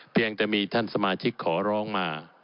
เพียงแต่มีท่านสมาชิกขอร้องมา